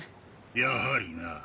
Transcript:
やはりな。